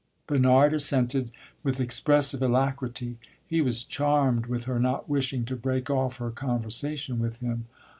Bernard assented with expressive alacrity; he was charmed with her not wishing to break off her conversation with him.